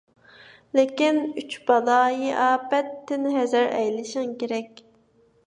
لېكىن، «ئۈچ بالايىئاپەت»تىن ھەزەر ئەيلىشىڭ كېرەك.